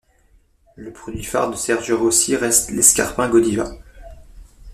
Le produit phare de Sergio Rossi reste l’escarpin Godiva.